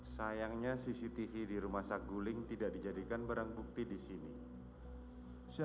sayangnya cctv di rumah saguling tidak dijadikan barang bukti di sini